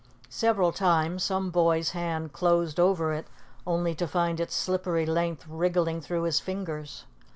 Several times some boy's hand closed over it, only to find its slippery length wriggling through his fingers.